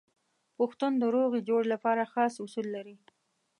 پښتون د روغې جوړې لپاره خاص اصول لري.